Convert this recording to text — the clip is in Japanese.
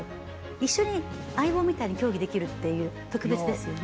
一緒に相棒みたいに競技できるって特別ですよね。